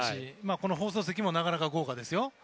この放送席もなかなか豪華ですよ。